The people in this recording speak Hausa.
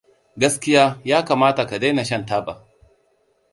Gaskiya ya kamata ka daina shan taba.